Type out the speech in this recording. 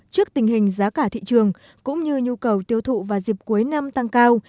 trước tình hình giá cả thị trường cũng như nhu cầu tiêu thụ vào dịp cuối năm tăng cao